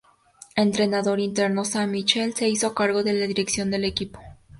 E entrenador interino Sam Mitchell se hizo cargo de la dirección del equipo.